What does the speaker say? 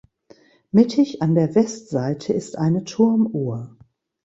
Mittig an der Westseite ist eine Turmuhr.